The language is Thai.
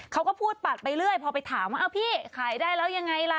เขาก็พูดปัดไปเรื่อยพอไปถามว่าเอาพี่ขายได้แล้วยังไงล่ะ